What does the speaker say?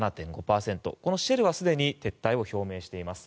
このシェルはすでに撤退を表明しています。